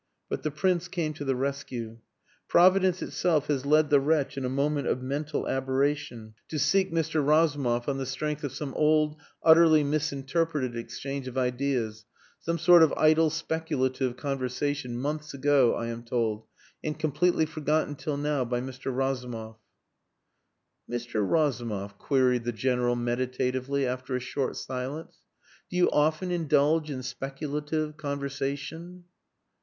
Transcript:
But the Prince came to the rescue. "Providence itself has led the wretch in a moment of mental aberration to seek Mr. Razumov on the strength of some old, utterly misinterpreted exchange of ideas some sort of idle speculative conversation months ago I am told and completely forgotten till now by Mr. Razumov." "Mr. Razumov," queried the General meditatively, after a short silence, "do you often indulge in speculative conversation?"